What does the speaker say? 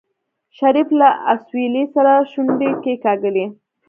شريف له اسويلي سره شونډې کېکاږلې.